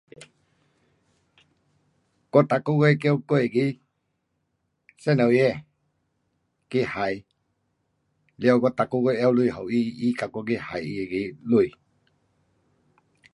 我每个月叫我那个女孩儿去还，了我每个月拿钱给她，她跟我去还她那个钱。